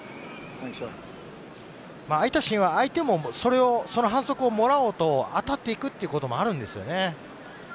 相手もその反則をもらおうと当たっていくということもあるんですよね。